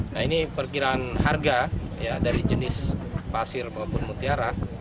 nah ini perkiraan harga dari jenis pasir maupun mutiara